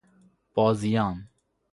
بازیان